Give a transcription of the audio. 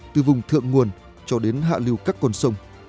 từ vùng thượng nguồn cho đến hạ lưu các con sông